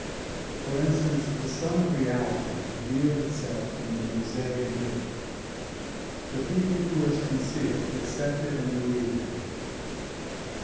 For instance, the Sun of Reality revealed itself from the Mosaic mirror. The people who were sincere accepted and believed in it.